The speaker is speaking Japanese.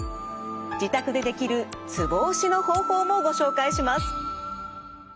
自宅でできるツボ押しの方法もご紹介します。